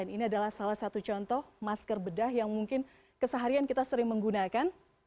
ini adalah salah satu contoh masker bedah yang mungkin keseharian kita sering menggunakan